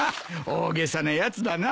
大げさなやつだな。